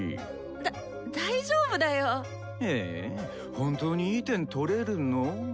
本当にいい点取れるの？